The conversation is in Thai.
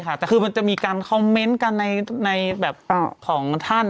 แต่คือมันจะมีการคอมเมนต์กันในแบบของท่าน